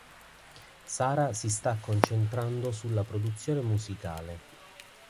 Sarah si sta concentrando sulla produzione musicale.